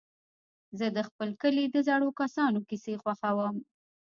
زه د خپل کلي د زړو کسانو کيسې خوښوم.